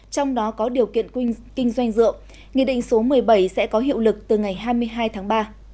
trong đó có điều kiện kinh doanh rượu nghị định số một mươi bảy sẽ có hiệu lực từ ngày hai mươi hai tháng ba